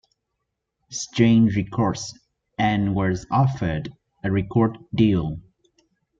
Strange Records and was offered a record deal.